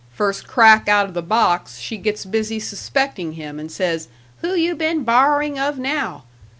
First crack outa the box, she gets busy suspecting him, and says, 'Who you been borrowing of now?'